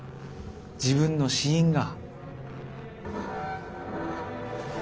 自分の死因が。